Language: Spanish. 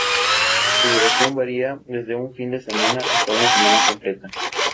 Su duración varía desde un fin de semana hasta una semana completa.